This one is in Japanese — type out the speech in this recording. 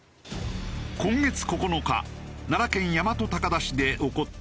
今月９日奈良県大和高田市で起こった事故。